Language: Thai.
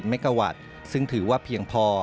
ประมาณ๑๒๐เมกะวัตต์ซึ่งถือว่าเพียงพอ